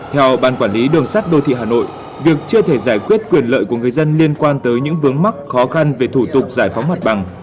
theo ban quản lý đường sắt đô thị hà nội việc chưa thể giải quyết quyền lợi của người dân liên quan tới những vướng mắc khó khăn về thủ tục giải phóng mặt bằng